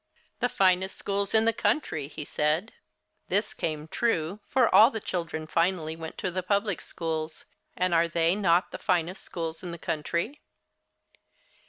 "The finest schools in the country," he said. This came true, for all the children finally went to the public schools, and are they not the finest schools in the country?